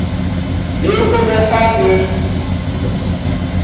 Eu começo a ver.